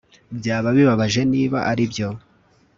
Byaba bibabaje niba aribyo